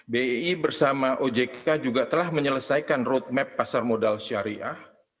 bii bersama ojk juga telah menyelesaikan roadmap pasar modal syariah